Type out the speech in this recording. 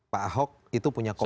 pak ahok itu punya komitmen